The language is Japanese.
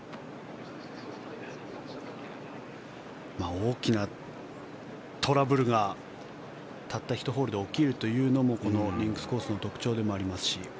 大きなトラブルがたった１ホールで起きるというのもこのリンクスコースの特徴でもありますし。